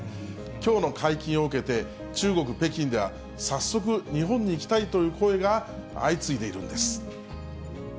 きょうの解禁を受けて、中国・北京では早速、日本に行きたいという声が相次いでいるんです。